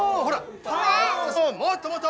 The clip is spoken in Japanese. もっともっと！